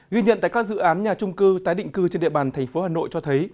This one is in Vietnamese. ghi nhận tại các dự án nhà trung cư tái định cư trên địa bàn thành phố hà nội cho thấy